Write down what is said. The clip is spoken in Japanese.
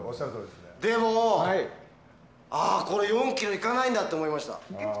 でも、これ４ｋｍ行かないんだって思いました。